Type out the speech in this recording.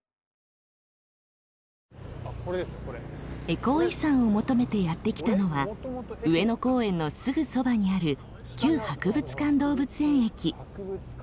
エコー遺産を求めてやって来たのは上野公園のすぐそばにある旧博物館動物園駅。